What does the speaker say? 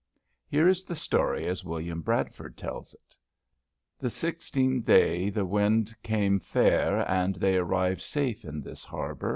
Here is the story as William Bradford tells it: "Ye 16. day ye winde came faire, and they arrived safe in this harbor.